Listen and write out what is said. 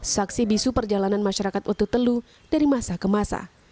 saksi bisu perjalanan masyarakat ututelu dari masa ke masa